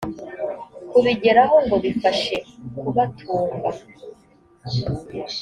kubigeraho ngo bifashe kubatunga